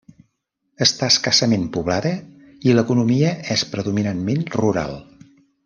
Està escassament poblada i l'economia és predominantment rural.